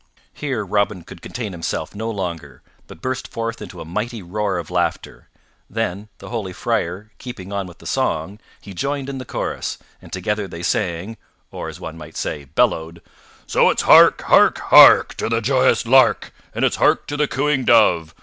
Here Robin could contain himself no longer but burst forth into a mighty roar of laughter; then, the holy Friar keeping on with the song, he joined in the chorus, and together they sang, or, as one might say, bellowed: "_So it's hark! hark! hark! To the joyous lark And it's hark to the cooing dove!